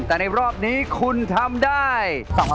แต่ในรอบนี้คุณทำได้